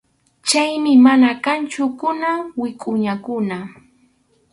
Chaymi mana kanchu kunan wikʼuñakuna.